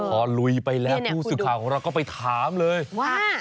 พอลุยไปแล้วผู้สื่อข่าวของเราก็ไปถามเลยว่า